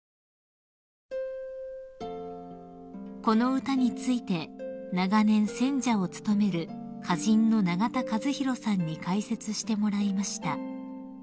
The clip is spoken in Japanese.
［この歌について長年選者を務める歌人の永田和宏さんに解説してもらいました］